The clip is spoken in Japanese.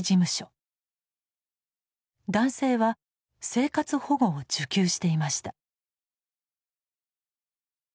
男性は生活保護を受給していました。